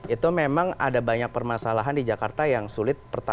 itu memang ada banyak permasalahan di jakarta yang sulit pertama